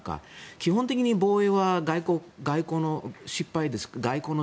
基本的に防衛は外交の失敗ですからね。